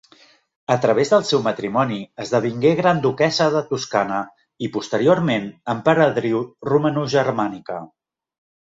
A través del seu matrimoni esdevingué gran duquessa de Toscana i posteriorment emperadriu romanogermànica.